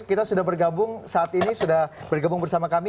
kita sudah bergabung saat ini sudah bergabung bersama kami